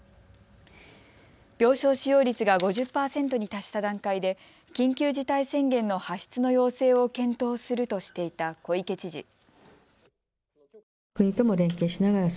病床使用率が５０％に達した段階で緊急事態宣言の発出の要請を検討するとしていた小池知事。